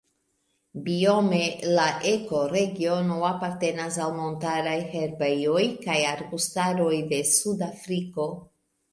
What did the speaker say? Biome la ekoregiono apartenas al montaraj herbejoj kaj arbustaroj de Sud-Afriko.